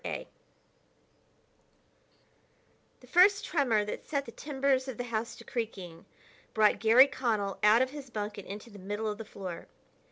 ] The first tremor that set the timbers of the house to creaking brought Garry Connell out of his bunk and into the middle of the floor.